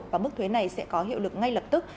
và mức thuế này sẽ có hiệu lực ngay lập tức